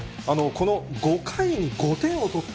この５回に５点を取った。